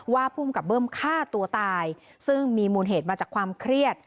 ภูมิกับเบิ้มฆ่าตัวตายซึ่งมีมูลเหตุมาจากความเครียด